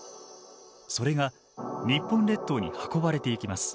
それが日本列島に運ばれていきます。